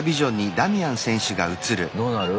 どうなる？